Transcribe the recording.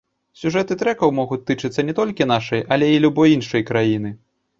Сюжэты трэкаў могуць тычыцца не толькі нашай, але і любой іншай краіны.